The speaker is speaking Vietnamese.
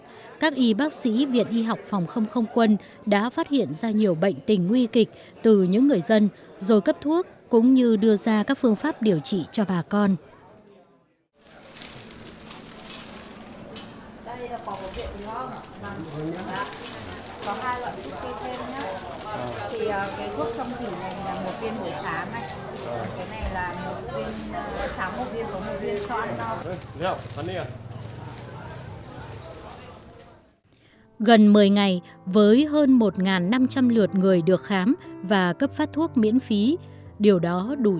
chủ cán bộ y bác sĩ viện y học phòng không không quân đã vượt núi băng ngàn ngược dòng sông mã về khám sức khỏe và cấp thuốc điều trị cho đồng bào các dân tộc của huyện mường lát